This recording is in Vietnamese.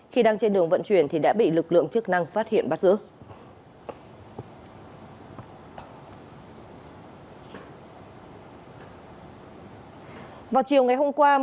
khi đang trên đường vận chuyển thì đã bị lực lượng chức năng phát hiện bắt giữ